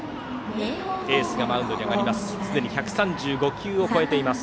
玖エースがマウンドに上がります。